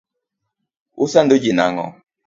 Usando ji nang'o?